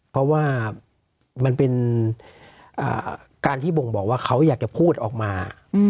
เพราะว่ามันเป็นการที่บ่งบอกว่าเขาอยากจะพูดออกมา